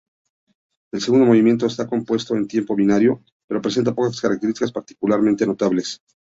El segundo movimiento está compuesto en tiempo binario, pero presenta pocas características particularmente notables.